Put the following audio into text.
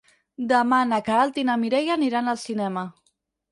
Demà na Queralt i na Mireia aniran al cinema.